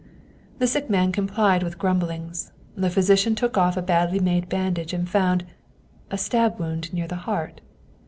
The sick man complied with grumblings. The physician took off a badly made bandage, and found a stab wound near the heart